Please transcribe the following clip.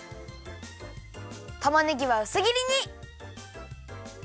たまねぎはうすぎりに。